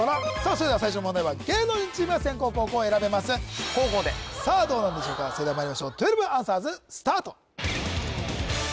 それでは最初の問題は芸能人チームが先攻後攻を選べますさあどうなんでしょうかまいりましょう１２アンサーズスタート